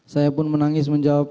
saya pun menangis menjawab